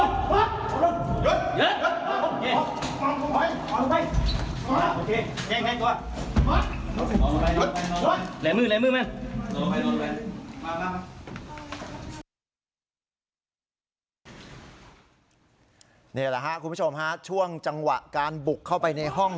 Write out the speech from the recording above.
นี่แหละครับคุณผู้ชมฮะช่วงจังหวะการบุกเข้าไปในห้อง